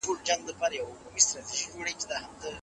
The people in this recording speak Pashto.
که څوک خپله څېړونکی نه وي ښه لارښود هم نسي جوړېدلای.